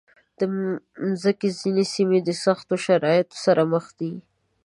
د مځکې ځینې سیمې د سختو شرایطو سره مخ دي.